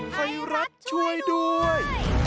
ให้รัฐช่วยด้วย